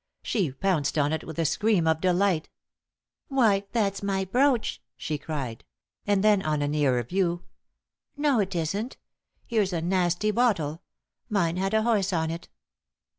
She pounced on it with a scream of delight. "Why, that's my brooch!" she cried. And then on a nearer view: "No, it isn't. Here's a nasty bottle! Mine had a horse on it."